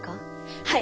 はい！